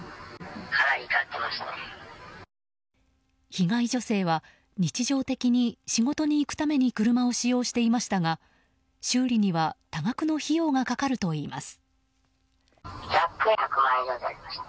被害女性は日常的に仕事に行くために車を使用していましたが修理には、多額の費用がかかるといいます。